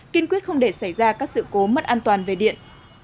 kiên quyết không để xảy ra các sự cố mất an toàn về điện